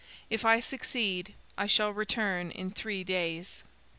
If I succeed, I shall return in three days."